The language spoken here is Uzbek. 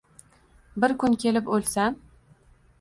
Bir kun kelib o‘lsam